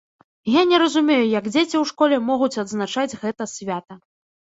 Я не разумею, як дзеці ў школе могуць адзначаць гэта свята.